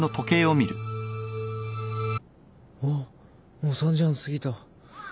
あっもう３時半過ぎた。